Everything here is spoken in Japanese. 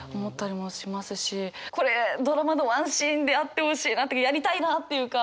これドラマのワンシーンであってほしいやりたいなっていうか。